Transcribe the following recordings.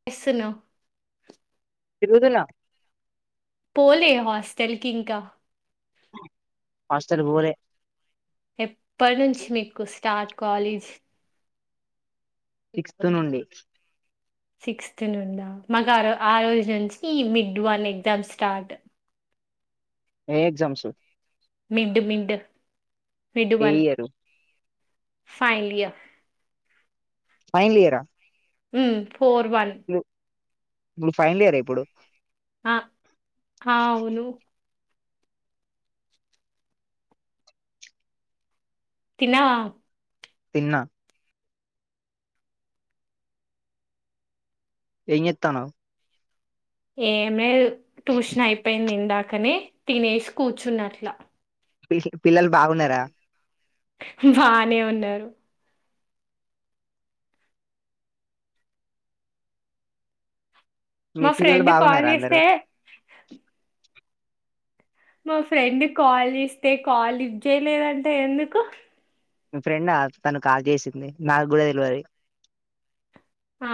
ఏం చేస్తున్నావ్ పెరుగుతున్న పోలే హాస్టల్ కి ఇంకా హాస్టెల్ కు పోలే ఎప్పటి నుంచి మీకు స్టార్ట్ కాలేజ్ సిక్త్ నుండి సిక్స్ నుండ మాకు ఆ ఆ రోజు నుంచి మిడ్ వన్ ఎగ్జామ్ స్టార్ట్ ఏ ఎగ్జామ్స్ మిండు మిండు మిడు ఏ one year final year final ఇయరా ఉ ఫోర్ వన్ ఉ ఇప్పుడు ఫైనల్ ఇయర ఇప్పుడు ఆ ఆవును తిన్నావా తిన్నా ఏం చేత్తన్నావ్ ఏం లేదు ట్యూషన్ అయిపోయింది ఇందాకనే తినేసి కూర్చున్న అట్ల మీ పిల్లలు బాగున్నారా బానే ఉన్నారు మీ మా పిల్లలు ఫ్రెండ్ కాల్ బాగున్నారా అందరు చేస్తే మా ఫ్రెండ్ కాల్ చేస్తే కాల్ లిఫ్ట్ చేయలేదంట ఎందుకు మీ ఫ్రెండ్ తను కాల్ చేసింది నాకు కూడా తెలువది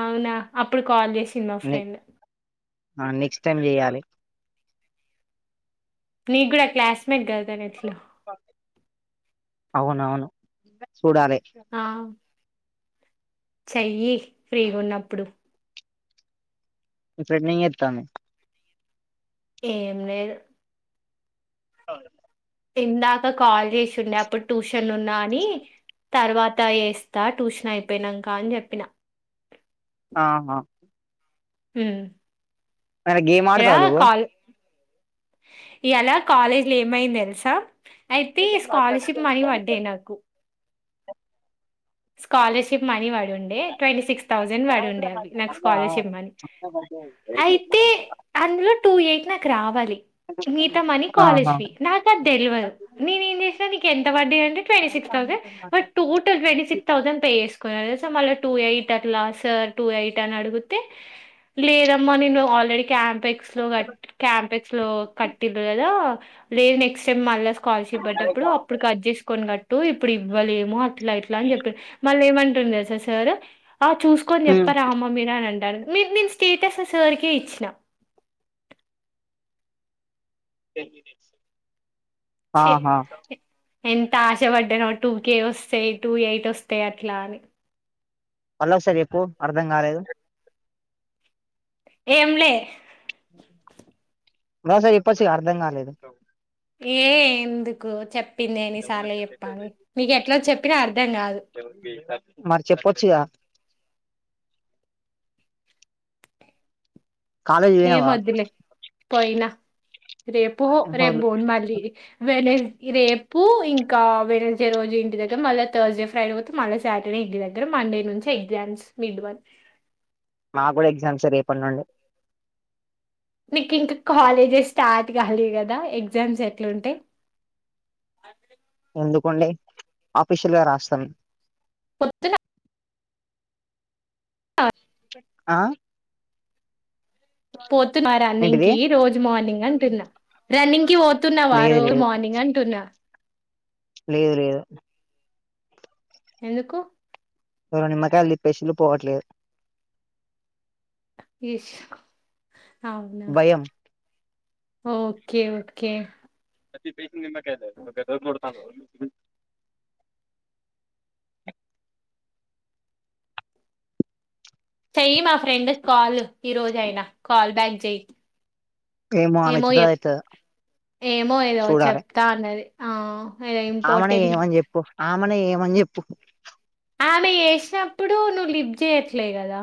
అవునా అప్పుడు కాల్ చేసింది మా ఫ్రెండ్ ఆ నెక్స్ట్ టైమ్ చెయాలి నీ కూడా క్లాస్మేట్ కదా తను ఏట్లో అవును అవును చూడాలే ఆ చెయ్యి ఫ్రీగున్నప్పుడు మీ ఫ్రెండ్ ఏం చెప్తాంది ఎమ్ లేదు ఆ ఇందాక కాల్ చేసి ఉండే అప్పుడు ట్యూషన్ ఉన్నా అని తర్వాత వేస్తా ట్యూషన్ అయిపోయినాంక అని చెప్పిన ఆహా ఉ ఏమైనా గేమ్ ఆడతావా ఏద కాల్ ఇయ్యాల కాలేజీ లో ఏమైంది తెలుసా అయితే స్కాలర్షిప్ మనీ పడ్డాయి నాకు స్కాలర్షిప్ మనీ వడున్ ట్వంటీ సిక్స్ థౌసండ్ వాడు ఉండే అవి నాకు స్కాలర్షిప్ అని నువ్వు అయితే అందులో టూ ఎయిట్ నాకు రావాలి మితా మని కాలేజ్ ఫీ నాకు అది తెడెలివదు ఆహా నేను ఏం చేసినా నీ ఎంత పడ్ది అంటే twenty six thousand but total twenty six thousand pay చేసుకున్నా తెల్సా మళ్ళా టూ ఎయిట్ అట్లా సార్ టూ ఎయిట్ అన్ అడుగుతే లేదమ్మా నన్నను ఆల్రెడీ క్యాంప్ అయి కంపక్స్ లో కట్టి కదా లేదు నెక్స్ట్ టై మళ్ళ స్ కాల్ర్స్ ఇవ్వటప్పుడు అప్పుడు కట్ చేసుకుని కట్టు ఇప్పుడు ఇవ్వలేముో అట్లా ఇట్లా అని చెప్ప మళ్ళీ ఏం అన్నటుండు తెలుసా సారు ఆ చేసుకుని ఉమ్. చెప్పారమ్మ మీర అని అంటాను మీరు నేను స్టేటస్ సార్ కె ఇచ్చిన తే చె ఎ ఎంత ఆశ పడ్డానో టూ కే వస్తాయి టూ ఎయిట్ వస్తాయి అట్లా అని మళ్ళ ఒకసారి ఎప్పు అర్ధం కాలేదు ఏం లే మాల్ ఓసారి చూపొచ్చు అర్ధం కాలే ఏ ఎందుకు చెప్పింది అని సాలే చెప్పాలి నీకు ఎట్లా చెప్పినా అర్ధం కాదు మరి చెపొచ్చుగా కాలేజ్ ఏ పోయినావా మొద్దులే పోయిన రేపో రేప్ హోల్. బోన్ మళ్ళీ వెనస్ రేపు ఇంకా వెనస్డే రోజు ఇంటి దగ్గర మళ్ళ థర్స్డే ఫ్రైడే వోత్ మళ్ళా సాటర్డే ఇంటి దగ్గర మండే నుంచి ఎగ్జామ్స్ మిడ్ వన్ మా కూడా ఎగ్జామ్స్ రేపటి నుండి నీక్ ఇంక కాలేజెస్ స్టార్ట్ గాలే గదా ఎగ్జామ్స్ ఎట్లాంటయి అ ఎందుకండి ఆఫీషియల్ గా రాస్తాను కొతుగా స ఆ ఏంటిది పోతున్నారాన్నికి రోజు మార్నింగ్ అంటున్నా రన్నింగ్ కి పోతున్నావా లేదు రో లేదు మార్నింగ్ అంటున్నా లేదు లేదు ఎందుకు ఎవ నిమ్మకాయల్లి పెసిలు పోవట్లేదు ఇష్ అవునా భయం ఓకే ఓకే ప్రతి పేస్ నిమ్మకాయి దడుతాను చెయ్యి మా ఫ్రెండ్ కాల్ ఈ రోజ యినా కాల్ బ్యాక్ జేయ్ ఆమె ఏమో ఎత్తుతదో ఇయప్ ఎత్తదో ఏమో ఏదో చూడాలి చెప్తా అన్నది ఆ ఏదో ఆమెనే ఇంపార్టెంట్ చేయమని చెప్పు ఆమెనే చేయమని చెప్పు ఆమె చేసినప్పుడు నువ్వు లిఫ్ చేయ్యట్లే కదా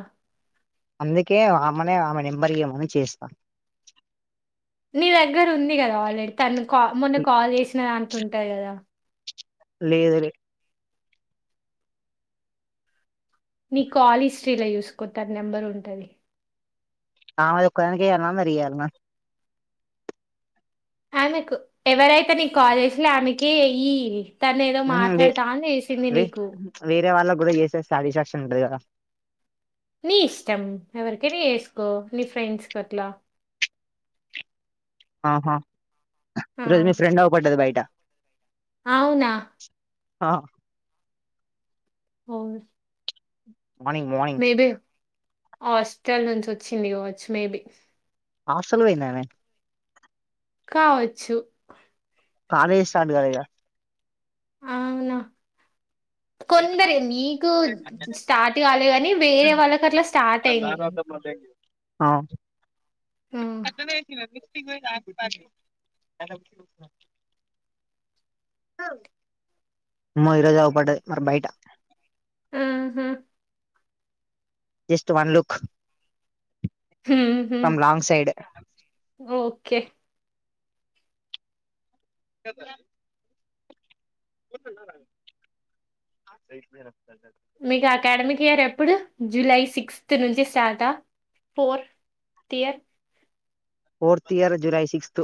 అందుకే ఆమనే ఆమె నెంబర్ ఇయ్యమను చేస్తా నీ దగ్గర ఉంది కదా ఆల్రెడీ తను కా మొన్న కాల్ చేసిన దాంట్లో ఉంటాది కదా లేదు లే నీ కాల్ హిస్టరీలో చూసుకో తన నెంబర్ ఉంటది ఆమె ఒక్కదానికే చేయాలన మరి ఇయాలన ఆమెకు ఎవరైతే నీ కాల్ చేసిర్లో ఆమెకే ఏయి తను ఏదో ఉహు వే మాట్లాడతా ఆని చేసింది వే నీకు వేరే వాళ్ళకి కూడా చేసేస్త సాటిస్ఫాక్షన్ ఉంటది కదా నీ ఇష్టం ఎవరికైన చేసుకో నీ ఫ్రెండ్స్ కి అట్లా ఆహా ఆ! ఈ రోజు మీ ఫ్రెండ్ అగు పడ్డది బయట అవునా అ ఓల్డ్ ఉ మేబి హాస్టల్ నుంచి వచ్చింది కావచ్చు మేబి హాస్టల్ పోయిందా ఆమె కావచ్చు కాలేజ్ స్టార్ట్ గా ఇగ ఆవునా కొందరి నీకు స్టార్ట్ కాలే గాని వేరే వాళ్ళకు అట్లా స్టార్ట్ అయినాయి ఆ హ్మ్. తిననే తినవి [inaudible] ఉమ ఈరోజ అగు పడ్డే మరి బయట ఆహ జస్ట్ వన్ లుక్ హుహూ ఫ్రమ్ లాంగ్ సైడ్ ఓకే చెప్పుధాం [unintelligible] మీకు అకాడమిక్ ఇయర్ ఎప్పుడు జులై సిక్స్త్ నుంచి స్టార్టా fourth year fourth year July sixth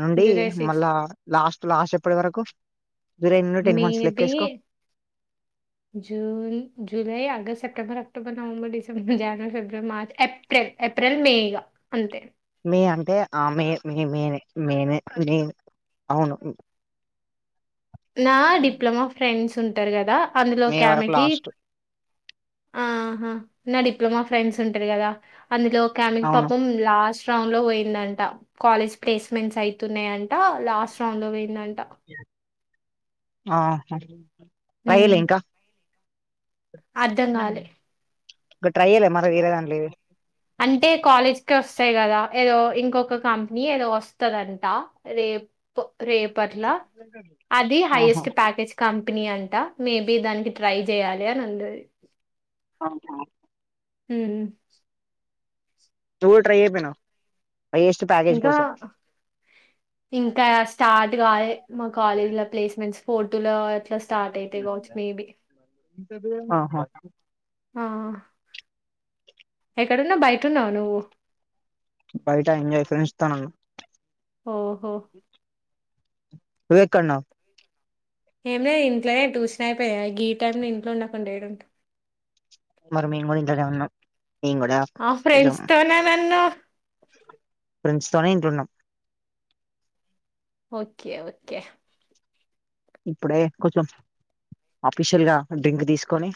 నుండి జూలై సిక్స్త్ మళ్ళా లాస్ట్ లాస్ట్ ఎప్పటి వరకు జూలై నుండి టెన్ మంత్స్ లెక్క మేబీ ఏసుకో June, July, August, September, October, November, December, January, February, March, ఏప్రి Pril April, May ఇగా అంతే మీ అంటే ఆమె మీ మేనే మేనే నేను అవును నా డిప్లొమా ఫ్రెండ్స్ ఉంటారు కదా మే అందులోకి వరకు ఆమెకి లాస్ట్ ఆహా నా డిప్లొమా ఫ్రెండ్స్ ఉంటది కదా అందులో ఒక ఆమెకు అవును పాపం లాస్ట్ రౌండ్ లో పోయిందంట కాలేజ్ ప్లేస్మెంట్స్ అయితున్నాయంట లాస్ట్ రౌండ్ లో పోయిందంట ఆహా రాయలే ఉమ్ ఇంకా అర్ధం కాలే ఇంకా ట్రై చేయలేదా మరీ వేరే దాంట్లో ఏవీ అంటే కాలేజ్ కే వస్తాయి కదా ఏదో ఇంకొక కంపెనీ ఏదో వస్తదంట రేపు రేపట్ల అది ఆహా హైయెస్ట్ ప్యాకేజ్ కంపెనీ అంటా మేబి దానికి ట్రై చేయాలి అని అన్నది అవున ఉమ్ నువ్వు కూడా ట్రై చేయకపోయినావు హైయెస్ట్ ప్యాక్ ఇంకా ఇంకా స్టార్ట్ కాలే మా కాలేజీ లో ప్లేస్మెంట్స్ ఫోర్టోలో అట్లా స్టార్ట్ అయితే కావచ్చు మేబీ ఆహా ఆ ఎక్కడున్నావు బయటన్నావ నువ్వు బయట ఎంజాయ్ ఫ్రెండ్స్తోఉన్న ఓహో నువ్వెక్కడున్నావ్ ఏమిలే ఇంట్లోనే ట్యూషన్ అయిపోయింది కదా ఈ టైంలో ఇంట్లో ఉండకుండా ఏడుంటా మరి మేము కూడా ఇంట్లనే ఉన్నాం మేం కూడా ఆ కొంచెం ఫ్రెండ్స్తో అని అన్నవ్ ఫ్రెండ్స్ తోనే ఇంట్లో ఉన్నాం ఓకే ఓకే ఇప్పుడే కొంచెం ఆఫీషియల్ గా డ్రింక్ తీసుకొని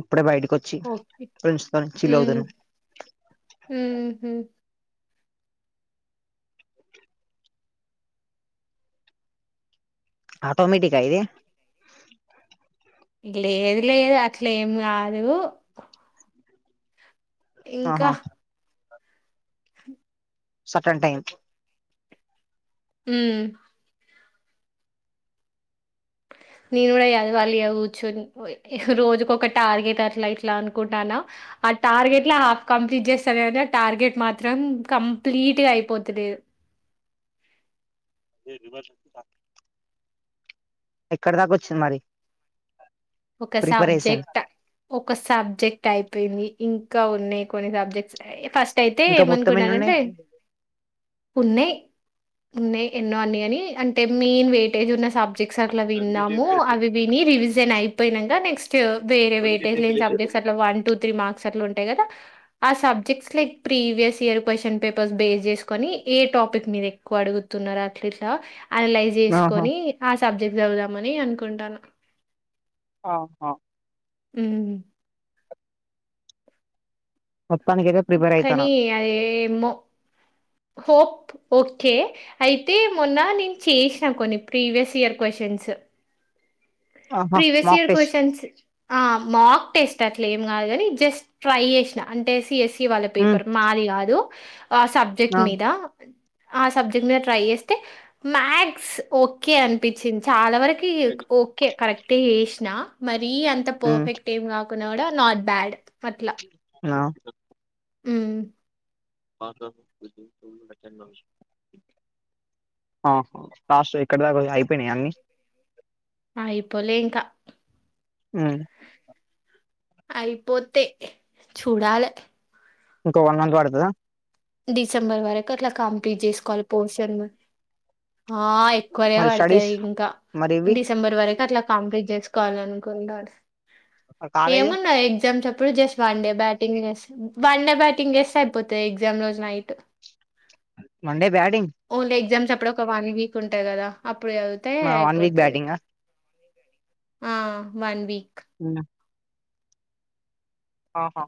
ఇప్పుడే బయటకి వచ్చి ఓకే. ఫ్రెండ్స్ తోని చిల్ అవుతున్న ఉహు ఆటోమేటిక ఇది లేదు లేదు అట్లే ఏం కాదు ఆహా ఇంకా సర్టర్న్ టైం ఊ నేను కూడా చదవాలి ఇగ కూర్చుని రోజుకొక టార్గెట్ అట్లా ఇట్లా అనుకుంటానా ఆ టార్గెట్ లో హాఫ్ కంప్లీట్ చేస్తా కానీ ఆ టార్గెట్ మాత్రం కంప్లీట్ గా అయిపోతలేదు ఎక్కడ దాకా వచ్చింది మరి ఒక ప్రిపరేషన్ సబ్జెక్ట ఒక సబ్జెక్ట్ అయిపోయింది ఇంకా ఉన్నాయి కొన్ని సబ్జెక్ట్సు ఫస్ట్ అయితే ఇంకా మొత్తం ఎన్ని ఉన్నాయి ఏమనుకున్నానంటే ఉన్నాయి ఉన్నాయి ఎన్నో అన్ని అని అంటే మెయిన్ వెయిటేజ్ ఉన్న సబ్జెక్ట్స్ అట్ల విన్నాము అవి విని రివిజన్ అయిపోయినంక నెక్స్ట్ వేరే వెటేజ్ లేని సబ్జెక్ట్సు అట్ల వన్ టూ త్రీ మార్క్స్ అట్ల ఉంటాయి కదా ఆ subjects like previous year question papers base చేసుకొని ఏ టాపిక్ మీద ఎక్కువ అడుగుతున్నారు అట్లా ఇట్లా అనలైజ్ ఆహా చేసుకొని ఆ సబ్జెక్ట్ చదువుదామని అనుకుంటాన ఆహా ఉ మొత్తానికైతే ప్రిపేర్ కానీ అయితాను అదేమో హోప్ ఓకే అయితే మొన్న నేను చేసినా కొన్ని ప్రీవియస్ ఇయర్ క్వశ్చన్స్ ఆహా previous mock year test questions ఆ మాక్ టేస్ట్ అట్ల ఏం కాదు కాని జస్ట్ ట్రై చేసిన అంటే సిఎస్ఈ వాళ్ళ ఉమ్ పేపర్ మాది కాదు ఆ సబ్జెక్ట్ ఆ మీద ఆ సబ్జెక్ట్ మీద ట్రై చేస్తే మ్యాక్స్ ఓకే అనిపించింది చాలా వరకు ఈక్ ఓకే కరెక్ట్ ఏ చేసిన మరి అంత ఉమ్ పర్ఫెక్ట్ ఏం కాకు కున్నా కూడా నాట్ బ్యాడ్ అట్లా నాకు ఊ అ రోజు [unintelligible] ఆహా లాస్ట్ ఎక్కడి దాకా ఒయి అయిపోయినాయ అన్నీ ఆయిపోలే ఇంకా ఊ అయిపోతే చూడాలి ఇంకో వన్ మంత్ పడుతదా డిసెంబర్ వరకు అట్లా కంప్లీట్ చేసుకోవాలి పోర్షన్ ఆ ఎక్కువనె మరి పడతది స్టడీస్ ఇంకా మరి ఇవి డిసెంబర్ వరకు అట్లా కంప్లీట్ చేసుకోవాల అనుకుంటడు మరి కాలేజ్ ఏమో నా ఎగ్జామ్స్ అప్పుడు జస్ట్ వన్ డే బ్యాటింగ్ చేస్తె వన్ డే బ్యాటింగ్ చేేస్తే అయిపోతుంది ఎగ్జామ్ రోజు night Monday batting only exams అప్పుడు ఒక వన్ వీక్ ఉంటది కదా అప్పుడు చదివితే వన్ వీక్ అయిపోతది బ్యాటింగా ఆ వన్ వీక్ ఉ ఆహా